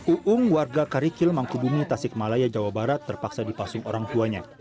uung warga karikil mangkubumi tasik malaya jawa barat terpaksa dipasung orang tuanya